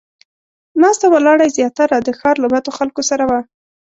ناسته ولاړه یې زیاتره د ښار له بدو خلکو سره وه.